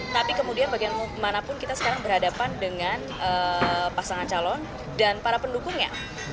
tapi kemudian bagaimanapun kita sekarang berhadapan dengan pasangan calon dan para pendukungnya